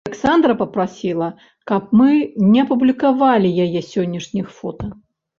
Аляксандра папрасіла, каб мы не публікавалі яе сённяшніх фота.